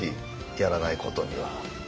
やらないことには。